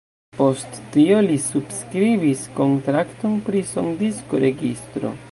Post tio li subskribis kontrakton pri sondisko-registro.